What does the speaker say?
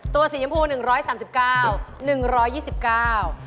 ตัวสีชมพู๑๓๙บาท๑๒๙บาท